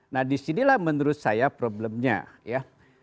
nah disinilah menurut saya problemnya ya